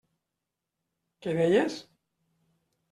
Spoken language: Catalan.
Què deies?